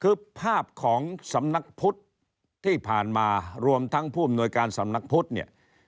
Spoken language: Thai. คือภาพของสำนักพุทธที่ผ่านมารวมทั้งผู้อำนวยการสำนักพุทธเนี่ย